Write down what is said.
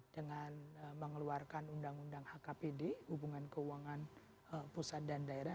dengan mengeluarkan undang undang hkpd hubungan keuangan pusat dan daerah